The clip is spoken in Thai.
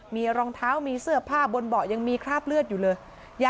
มีรองเท้ามีเสื้อผ้าบนเบาะยังมีคราบเลือดอยู่เลย